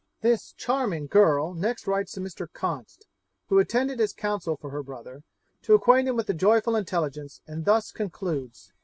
This 'charming' girl next writes to Mr. Const, who attended as counsel for her brother, to acquaint him with the joyful intelligence, and thus concludes.